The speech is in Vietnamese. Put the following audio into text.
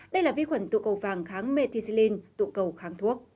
đây là vi khuẩn tụ cầu vàng kháng meticine tụ cầu kháng thuốc